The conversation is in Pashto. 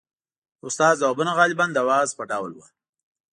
• د استاد ځوابونه غالباً د وعظ په ډول وو.